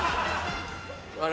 あれ？